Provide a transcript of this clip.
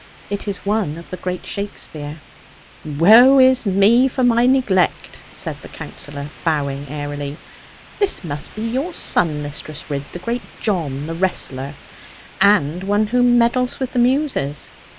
It is one of the great Shakespeare.' 'Woe is me for my neglect!' said the Counsellor, bowing airily; 'this must be your son, Mistress Ridd, the great John, the wrestler. And one who meddles with the Muses!